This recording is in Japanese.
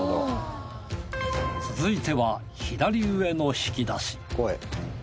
続いては左上の引き出し